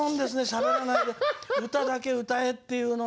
しゃべらないで歌だけ歌えっていうのは酷ですね。